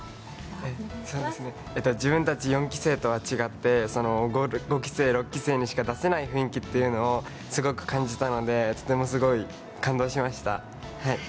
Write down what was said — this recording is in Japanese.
自分たち４期生とは違って５期生、６期生にしか出せない雰囲気っていうのをすごく感じたのでとてもすごい感動しました。